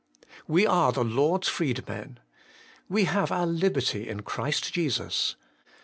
We are the Lord's freedmen. ' We have our liberty in Christ Jesus.'